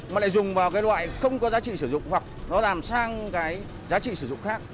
mà lại dùng vào cái loại không có giá trị sử dụng hoặc nó làm sang cái giá trị sử dụng khác